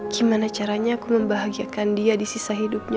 gimana caranya aku membahagiakan dia di sisa hidupnya